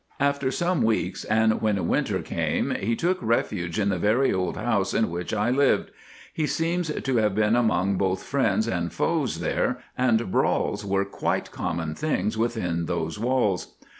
"After some weeks, and when winter came, he took refuge in the very old house in which I lived. He seems to have been among both friends and foes there, and brawls were quite common things within those walls.